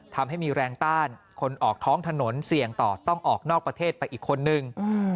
ทำให้มีแรงต้านคนออกท้องถนนเสี่ยงต่อต้องออกนอกประเทศไปอีกคนนึง